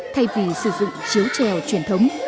thay vì sử dụng chiếu trèo truyền thống